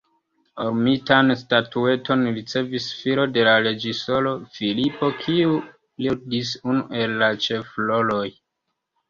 Orumitan statueton ricevis filo de la reĝisoro, Filipo, kiu ludis unu el la ĉefroloj.